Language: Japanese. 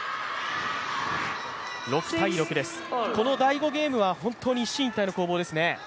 この第５ゲームは本当に一進一退の攻防ですよね。